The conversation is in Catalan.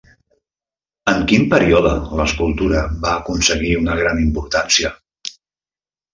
En quin període l'escultura va aconseguir una gran importància?